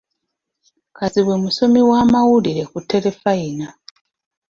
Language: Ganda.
Kazibwe musomi wa mawulire ku terefayina.